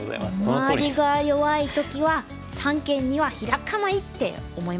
周りが弱い時は三間にはヒラかないって思いました。